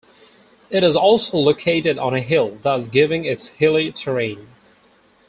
It is also located on a hill thus giving its hilly terrain.